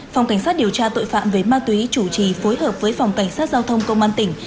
phòng cảnh sát điều tra tội phạm về ma túy chủ trì phối hợp với phòng cảnh sát giao thông công an tỉnh